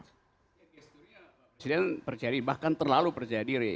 pasturnya pak presiden percaya diri bahkan terlalu percaya diri